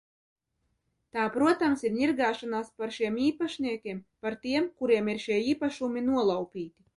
Tā, protams, ir ņirgāšanās par šiem īpašniekiem, par tiem, kuriem ir šie īpašumi nolaupīti.